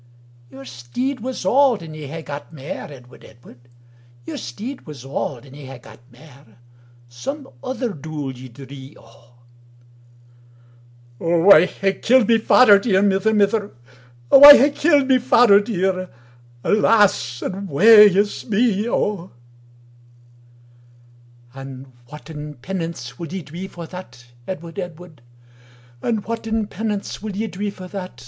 "Your steid was auld, and ye hae gat mair, Edward, Edward, Your steid was auld, and ye hae gat mair, Sum other dule ye drie O.""O I hae killed my fadir deir, Mither, mither,O I hae killed my fadir deir, Alas, and wae is mee O!""And whatten penance wul ye drie for that, Edward, Edward, And whatten penance will ye drie for that?